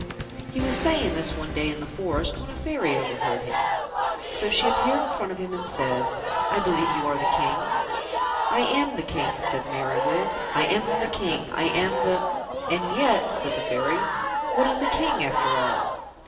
He was saying this one day in the forest when a Fairy overheard him. So she appeared in front of him and said, "I believe you are the King?" "I am the King," said Merriwig. "I am the King, I am the " "And yet," said the Fairy, "what is a King after all?"